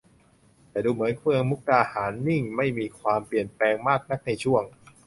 แต่ดูเหมือนเมืองมุกดาหารนิ่งไม่มีความเปลี่ยนแปลงมากนักในช่วง